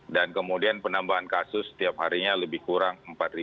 dan kemudian penambahan kasus setiap harinya lebih kurang empat satu ratus dua puluh tujuh